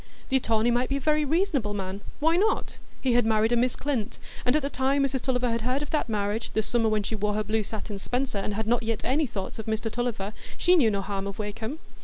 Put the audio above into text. The attorney might be a very reasonable man; why not? He had married a Miss Clint, and at the time Mrs Tulliver had heard of that marriage, the summer when she wore her blue satin spencer, and had not yet any thoughts of Mr Tulliver, she knew no harm of Wakem.